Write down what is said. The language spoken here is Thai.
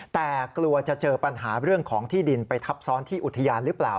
แต่กลัวจะเจอปัญหาเรื่องของที่ดินไปทับซ้อนที่อุทยานหรือเปล่า